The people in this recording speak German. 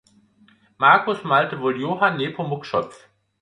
Markus malte wohl Johann Nepomuk Schöpf.